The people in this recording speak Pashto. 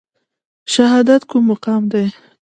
شهادت کوم مقام دی؟